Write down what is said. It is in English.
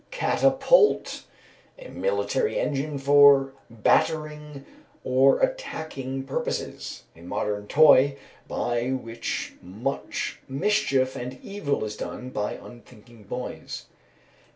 Catapult. A military engine for battering or attacking purposes. A modern toy, by which much mischief and evil is done by unthinking boys.